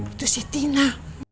itu si tina